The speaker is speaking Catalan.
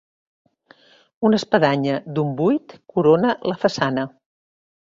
Una espadanya d'un buit corona la façana.